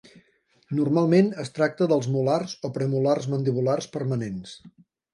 Normalment es tracta dels molars o premolars mandibulars permanents.